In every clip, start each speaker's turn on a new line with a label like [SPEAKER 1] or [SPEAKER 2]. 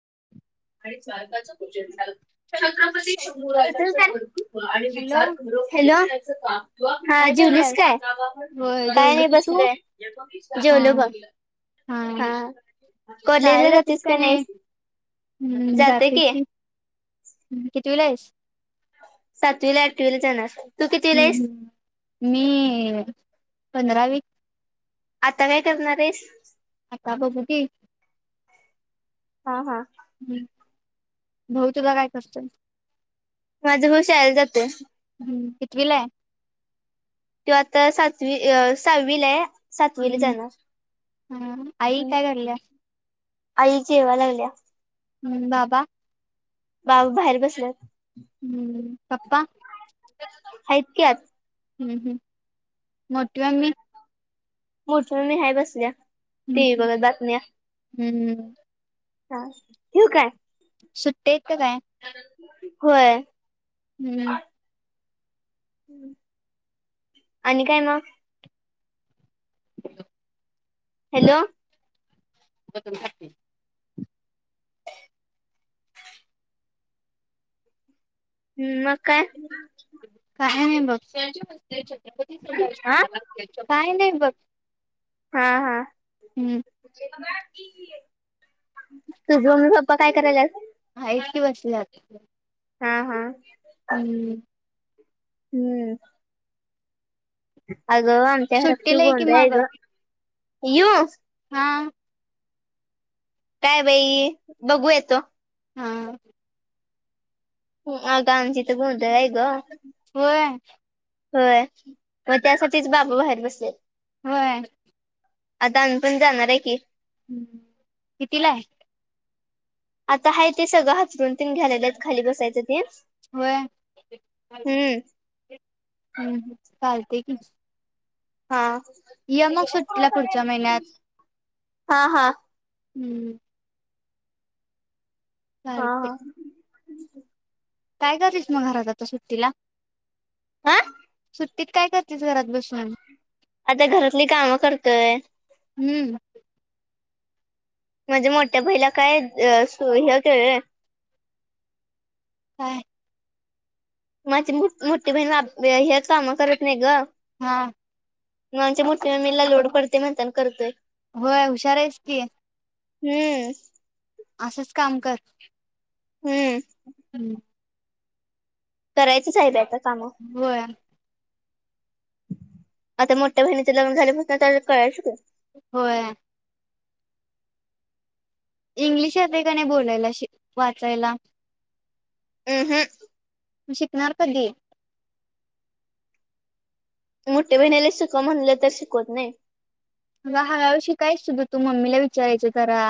[SPEAKER 1] [inaudible]
[SPEAKER 2] आणि स्वार्थचं भोजन झालं. छत्रपती
[SPEAKER 1] शाहू
[SPEAKER 2] शंभूराजांच
[SPEAKER 1] महाराज.
[SPEAKER 2] कर्तृत्व आणि
[SPEAKER 1] हॅलो
[SPEAKER 2] विचार खोल हॅलो अस का? हा
[SPEAKER 1] काय
[SPEAKER 2] जेवलीस
[SPEAKER 1] करल्यास?
[SPEAKER 2] काय?
[SPEAKER 1] होय
[SPEAKER 2] काय
[SPEAKER 1] जेवले
[SPEAKER 2] नाही
[SPEAKER 1] की तू?
[SPEAKER 2] बसलोय,
[SPEAKER 1] हा
[SPEAKER 2] जेवलो बघ हा कॉलेजला
[SPEAKER 1] शाळेला जातीस
[SPEAKER 2] जातिस
[SPEAKER 1] का
[SPEAKER 2] काय
[SPEAKER 1] नाही?
[SPEAKER 2] नाहीस?
[SPEAKER 1] हम्म जातोय की. ह कितीवीला आहेस?
[SPEAKER 2] सातवीला आठवीला जाणार. तू कितीला
[SPEAKER 1] हम्म
[SPEAKER 2] आहेस
[SPEAKER 1] हम्म मी पंधरावी.
[SPEAKER 2] आता काय करणार आहेस?
[SPEAKER 1] आता बघु की.
[SPEAKER 2] हा हा.
[SPEAKER 1] हम्म भाऊ तुझा काय करतोय?
[SPEAKER 2] माझा भाऊ शाळेला जातोय.
[SPEAKER 1] कितवीला हाय?
[SPEAKER 2] तो आता सातवी सहावी ला हाय. सातवीला
[SPEAKER 1] हम्म.
[SPEAKER 2] जाणार
[SPEAKER 1] हा आई
[SPEAKER 2] ह्.
[SPEAKER 1] काय कराल्या?
[SPEAKER 2] आई जेवाय लागलीया.
[SPEAKER 1] हम्म बाबा
[SPEAKER 2] बाबा बाहेर बसल्यात.
[SPEAKER 1] हम्म पपा?
[SPEAKER 2] हाइत कि आत.
[SPEAKER 1] हम्म हम् मोठी म्ममी?
[SPEAKER 2] मोठी मम्मी हाय बसल्या. टिव्ही बघत बातम्या.
[SPEAKER 1] हम्म हम्म.
[SPEAKER 2] हा ठेवु काय.
[SPEAKER 1] सुट्टी आहेत का काय?
[SPEAKER 2] व्हय. आणि काय म
[SPEAKER 1] [inaudible]
[SPEAKER 2] हॅलो.
[SPEAKER 1] [unintelligible]
[SPEAKER 2] हम् मग काय?
[SPEAKER 1] हाय हाय बघ.
[SPEAKER 2] हा
[SPEAKER 1] काय नाही. बघ.
[SPEAKER 2] हा हा.
[SPEAKER 1] हम्म
[SPEAKER 2] तुझं मम्मी पप्पा काय कराल्यात?
[SPEAKER 1] आहात की बसल्या.
[SPEAKER 2] हा हा.
[SPEAKER 1] हम्म.
[SPEAKER 2] हम्म. ह. अगं आमच्या घरात
[SPEAKER 1] सुट्टीला
[SPEAKER 2] शुभ
[SPEAKER 1] आहे की मग
[SPEAKER 2] [inaudible] इऊ.
[SPEAKER 1] हा.
[SPEAKER 2] काय बाई बघू येतो.
[SPEAKER 1] हा.
[SPEAKER 2] आगं आमच्या इथं गोधंळ हाय गं.
[SPEAKER 1] होय.
[SPEAKER 2] होय मग त्यासाठीच बाबा बाहेर बसलेत.
[SPEAKER 1] होय.
[SPEAKER 2] आता आम्ही पण जाणार आहं की.
[SPEAKER 1] हम्म कितीला आहं?
[SPEAKER 2] आता आहं ते सगळं हसरून. तेच घ्या लागल्यात खाली बसायचं तेण
[SPEAKER 1] होय.
[SPEAKER 2] हम्म.
[SPEAKER 1] हम् चालतयं की.
[SPEAKER 2] हा.
[SPEAKER 1] ये मग सुटीला पुढच्या महिन्यात.
[SPEAKER 2] हा हा.
[SPEAKER 1] हम्म.
[SPEAKER 2] हा
[SPEAKER 1] चालते.
[SPEAKER 2] हा. [unintelligible]
[SPEAKER 1] काय करतेस मग घरात आता सुट्टीला?
[SPEAKER 2] आह‌्.
[SPEAKER 1] ते काय कर
[SPEAKER 2] आता घरातली कामं करतोय.
[SPEAKER 1] हम्म.
[SPEAKER 2] म्हणजे मोठ्या बाईला काय सु हे गं.
[SPEAKER 1] काय?
[SPEAKER 2] माझी मो-मोठी बहिण हे काम करत नाही गं.
[SPEAKER 1] हा.
[SPEAKER 2] म आमची मोठी ममीला लोड पडतयं म्हणताना करतोय.
[SPEAKER 1] होय हुशार आहेस की
[SPEAKER 2] हम्म.
[SPEAKER 1] असंच काम कर.
[SPEAKER 2] हम्म.
[SPEAKER 1] हम्म.
[SPEAKER 2] करायचंच आहे बाई आता. काम
[SPEAKER 1] होय.
[SPEAKER 2] आता मोठ्या बहिणीच लग्न झाल्यापासणं म्हण कळायच.
[SPEAKER 1] होय. इंग्लिश येतयं काय नाही बोलायला शिक वाचायला.
[SPEAKER 2] [unintelligible]
[SPEAKER 1] शिकणार कधी?
[SPEAKER 2] मोठी बहिणीला शिकवं म्हणंल तर शिकवत नाही.
[SPEAKER 1] तूला हळूहळू शिकायचं सुध्दा मम्मीला विचारायचं करा.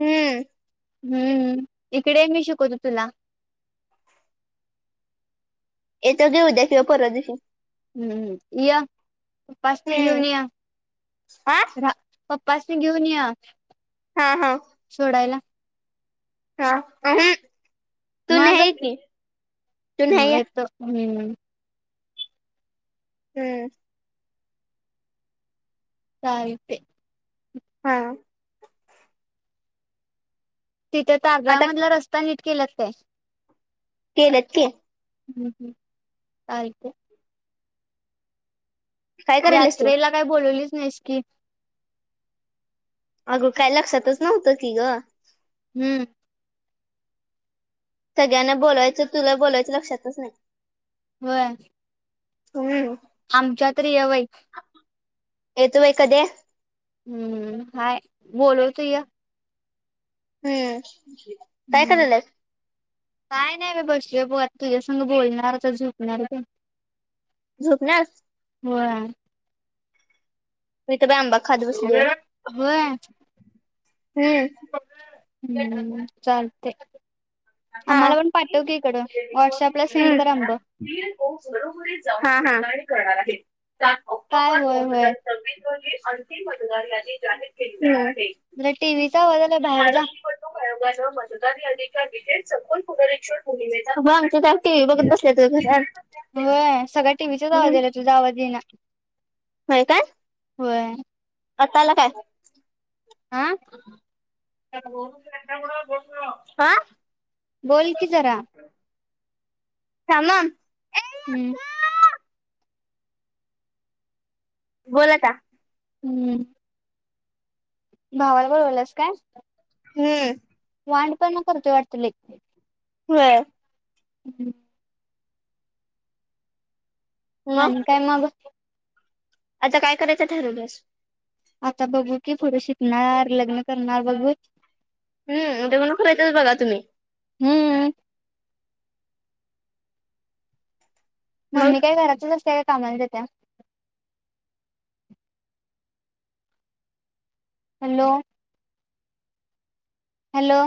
[SPEAKER 2] हम्म.
[SPEAKER 1] हम्म इकडे मी शिकवतो तुला.
[SPEAKER 2] येतो घे उद्या किंवा परवा दिवशी.
[SPEAKER 1] हम्म् यं. उपासणी
[SPEAKER 2] हम्म
[SPEAKER 1] घेऊन ये
[SPEAKER 2] हा
[SPEAKER 1] राहू पप्पासनी घेऊन यं.
[SPEAKER 2] हा हा
[SPEAKER 1] सोडायला.
[SPEAKER 2] हा अहं. तू
[SPEAKER 1] मग
[SPEAKER 2] नाही की तू
[SPEAKER 1] हम्म
[SPEAKER 2] नाही या.
[SPEAKER 1] येतो हम्म.
[SPEAKER 2] हम्म.
[SPEAKER 1] चालतयं.
[SPEAKER 2] हा.
[SPEAKER 1] तिथे तारदाळ
[SPEAKER 2] आता
[SPEAKER 1] मधला रस्ता निट केल्यात काय.
[SPEAKER 2] केल्यात की
[SPEAKER 1] हम् हम् चालतयं.
[SPEAKER 2] काय करायलास तू
[SPEAKER 1] यात्रेला काय बोलवली नाहीस की.
[SPEAKER 2] अगं काय लक्षातच नव्हतं की ग.
[SPEAKER 1] हम्म.
[SPEAKER 2] सगळ्यांना बोलायचं तुला बोलायचं लक्षातच नाही
[SPEAKER 1] व्हय.
[SPEAKER 2] हम्म.
[SPEAKER 1] बाई
[SPEAKER 2] येतो बाई कधीय
[SPEAKER 1] हम्म हाय बोलवतो य
[SPEAKER 2] हम्म. काय
[SPEAKER 1] हम्म
[SPEAKER 2] कराल्यास?
[SPEAKER 1] काय नाही बाई बसलोय बघ आता तुझ्यासंग बोलणार जरा झोपणार बग.
[SPEAKER 2] झोपल्यास
[SPEAKER 1] व्हय.
[SPEAKER 2] य बाई आंबा खात बसलोय.
[SPEAKER 1] होय
[SPEAKER 2] हम्म.
[SPEAKER 1] हम्म चालतयं.
[SPEAKER 2] हा हम्
[SPEAKER 1] व्हॉट्सअपला सेंड कर आंब
[SPEAKER 2] हा हा. करणार आहेत.
[SPEAKER 1] काय होय होय.
[SPEAKER 2] अंतिम मतदार या जाहीर केले.
[SPEAKER 1] जरा टीव्हीचा आवाज आलाय बाहेर जा.
[SPEAKER 2] [unintelligible] हे बघ आमच्यात आज टीव्हि बघत बसल्यात ग घरात
[SPEAKER 1] होय सगळा टीव्हीचाच आवाज
[SPEAKER 2] हम्म
[SPEAKER 1] यायलाय तुझा आवाज येईना.
[SPEAKER 2] होय काय.
[SPEAKER 1] होय.
[SPEAKER 2] आत्ता आला काय?
[SPEAKER 1] आ.
[SPEAKER 2] [unintelligible] हा
[SPEAKER 1] बोल की जरा
[SPEAKER 2] थांब हा!
[SPEAKER 1] हम्म
[SPEAKER 2] बोल आता
[SPEAKER 1] हम्म. भावाला बोलवालियास काय?
[SPEAKER 2] हम्म.
[SPEAKER 1] वांडपणा करतोय वाटतय लई!
[SPEAKER 2] व्हय.
[SPEAKER 1] हम्म [inaudible]
[SPEAKER 2] मग
[SPEAKER 1] आणि काय मग?
[SPEAKER 2] आता काय करायचं ठरवलियास?
[SPEAKER 1] आता बघू की पुढे शिकणार लग्न करणार बघू
[SPEAKER 2] हम् ते लग्न करायचच बघा तुम्ही!
[SPEAKER 1] हम्म. मम्मी
[SPEAKER 2] मग
[SPEAKER 1] काय घरातच असतिया काय? कामालजात्या हॅलो. हॅलो.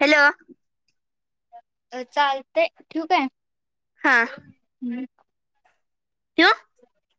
[SPEAKER 2] हॅलो.
[SPEAKER 1] अ चालतय ठेवू काय.
[SPEAKER 2] हा.
[SPEAKER 1] [unintelligible]
[SPEAKER 2] [unintelligible]